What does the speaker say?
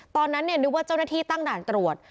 ตอนนั้นนึกว่าเจ้าหน้าที่ตั้งด่านตรวจ